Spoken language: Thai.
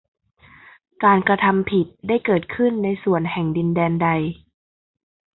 การกระทำผิดได้เกิดขึ้นในส่วนแห่งดินแดนใด